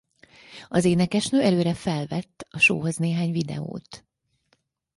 Az énekesnő előre felvett a showhoz néhány videót.